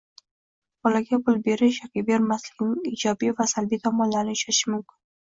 Bolaga pul berish yoki bermaslikning ijobiy va salbiy tomonlarini uchratish mumkin.